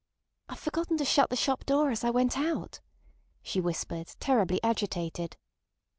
"I've forgotten to shut the shop door as I went out," she whispered, terribly agitated.